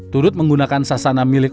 turut menggunakan sasana milik